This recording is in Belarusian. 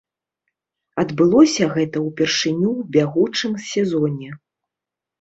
Адбылося гэта ўпершыню ў бягучым сезоне.